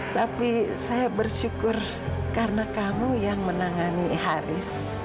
tapi saya bersyukur karena kamu yang menangani haris